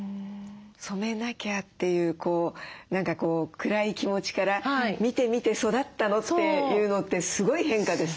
染めなきゃっていう何か暗い気持ちから「見て見て育ったの」っていうのってすごい変化ですね。